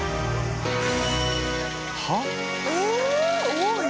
多い。